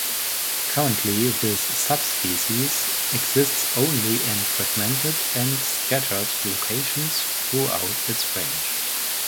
Currently, this sub-species exists only in fragmented and scattered locations throughout its range.